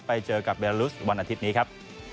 ไปเจอกับเบลุสวันอาทิตย์นี้ครับ